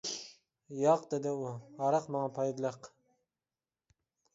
-ياق، -دېدى ئۇ، -ھاراق ماڭا پايدىلىق.